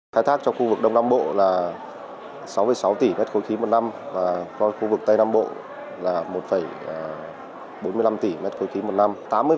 khai thác cho khu vực đông nam bộ là sáu sáu tỷ m ba khí một năm và khu vực tây nam bộ là một bốn mươi năm tỷ m ba khí một năm